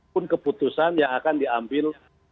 pun keputusan yang akan diambil